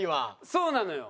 そうなのよ。